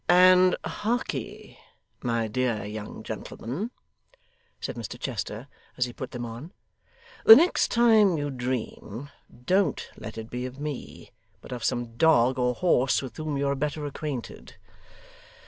'And harkee, my dear young gentleman,' said Mr Chester, as he put them on, 'the next time you dream, don't let it be of me, but of some dog or horse with whom you are better acquainted.